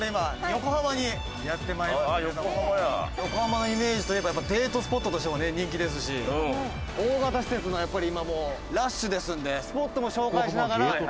「横浜のイメージといえばやっぱデートスポットとしてもね人気ですし大型施設がやっぱり今もうラッシュですんでスポットも紹介しながら」